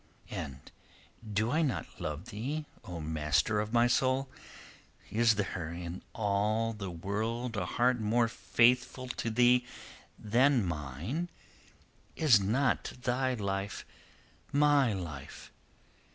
"And do I not love thee, O master of my soul? Is there in all the world a heart more faithful to thee than mine? Is not thy life my life?